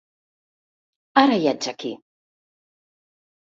Ara ja ets aquí.